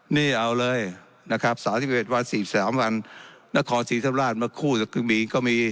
นี่เอาเลยนะครับ๓๑วัน๔๓วันนครศรีธรรมราชมาคู่มีก็มี